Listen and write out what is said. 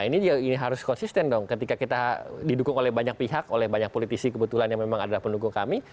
ini harus konsisten dong ketika kita didukung oleh banyak pihak oleh banyak politisi kebetulan yang memang adalah pendukung kami